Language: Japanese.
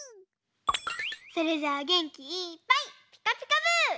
それじゃあげんきいっぱい「ピカピカブ！」。